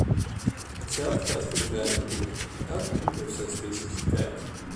Hetzelfde geldt voor de vrije beroepen: elk beroep heeft zijn specificiteit.